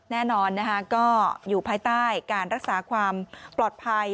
แน่นอนนะคะก็อยู่ภายใต้การรักษาความปลอดภัย